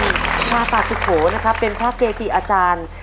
เงี่ยหัวคำทาปาจุโขนะครับเป็นภาพเกรกีอาจารย์